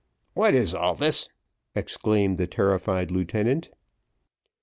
"What is all this?" exclaimed the terrified lieutenant.